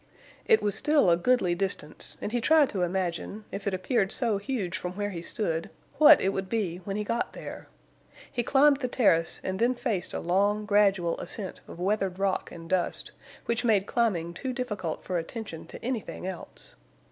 It was still a goodly distance, and he tried to imagine, if it appeared so huge from where he stood, what it would be when he got there. He climbed the terrace and then faced a long, gradual ascent of weathered rock and dust, which made climbing too difficult for attention to anything else.